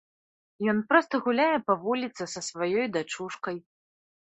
Ён проста гуляе па вуліцы са сваёй дачушкай.